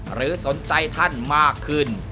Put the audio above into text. หรือสนใจท่านมากขึ้น